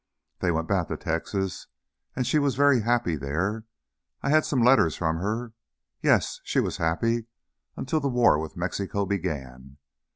They went back to Texas, and she was very happy there I had some letters from her. Yes, she was happy until the War with Mexico began.